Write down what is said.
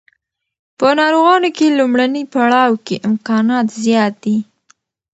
په ناروغانو کې لومړني پړاو کې امکانات زیات دي.